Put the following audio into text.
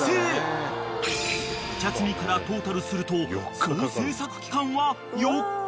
［お茶摘みからトータルすると総製作期間は４日］